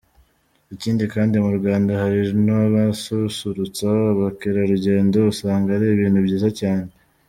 Ikindi kandi mu Rwanda hari n’abasusurutsa abakerarugendo usanga ari ibintu byiza cyane.